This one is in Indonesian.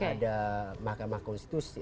ada mahkamah konstitusi